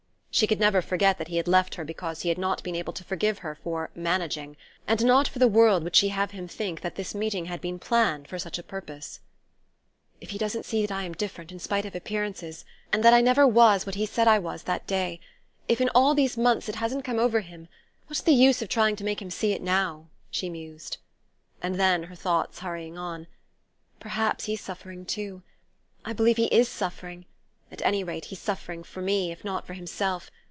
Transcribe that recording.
She could never forget that he had left her because he had not been able to forgive her for "managing" and not for the world would she have him think that this meeting had been planned for such a purpose. "If he doesn't see that I am different, in spite of appearances... and that I never was what he said I was that day if in all these months it hasn't come over him, what's the use of trying to make him see it now?" she mused. And then, her thoughts hurrying on: "Perhaps he's suffering too I believe he is suffering at any rate, he's suffering for me, if not for himself.